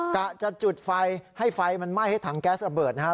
กะจะจุดไฟให้ไฟมันไหม้ให้ถังแก๊สระเบิดนะครับ